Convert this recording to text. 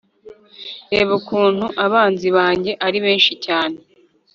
reba ukuntu abanzi banjye ari benshi cyane